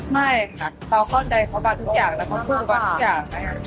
ไม่คะบ่ฆ่าคอใจเขาบ้างทุกอย่าง